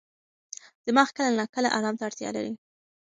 دماغ کله ناکله ارام ته اړتیا لري.